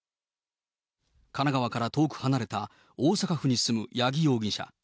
神奈川から遠く離れた大阪府に住む八木容疑者。